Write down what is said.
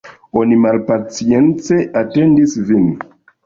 Oni malpacience atendis vin.